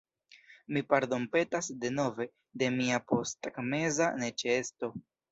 Mi pardonpetas, denove, de mia posttagmeza neĉeesto.